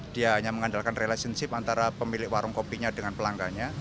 dia hanya mengandalkan relationship antara pemilik warung kopinya dengan pelanggannya